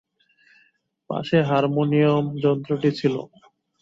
পাশে হারমোনিয়ম-যন্ত্রটি ছিল।